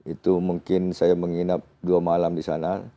itu mungkin saya menginap dua malam di sana